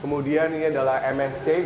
kemudian ini adalah msc